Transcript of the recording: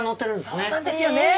そうなんですよね！